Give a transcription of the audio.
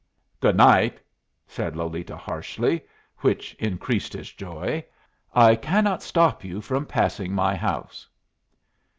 "Good night," said Lolita, harshly, which increased his joy; "I cannot stop you from passing my house."